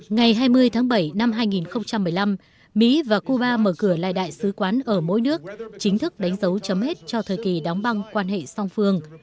ngày hai mươi tháng bảy năm hai nghìn một mươi năm mỹ và cuba mở cửa lại đại sứ quán ở mỗi nước chính thức đánh dấu chấm hết cho thời kỳ đóng băng quan hệ song phương